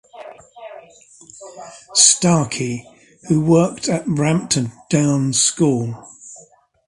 Starkey who worked at Brampton Down School.